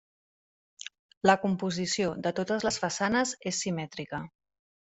La composició de totes les façanes és simètrica.